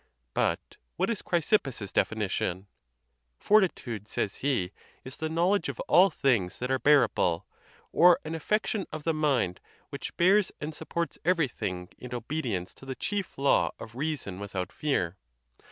But what is Chrysip pus's definition? Fortitude, says he, is the knowledge of all things that are bearable, or an affection of the mind which bears and supports everything in obedience to the chief law of reason without fear.